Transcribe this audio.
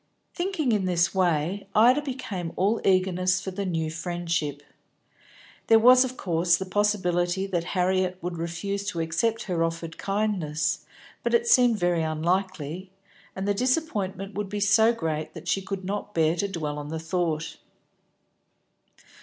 Thinking in this way, Ida became all eagerness for the new friendship. There was of course the possibility that Harriet would refuse to accept her offered kindness, but it seemed very unlikely, and the disappointment would be so great that she could not bear to dwell on the thought.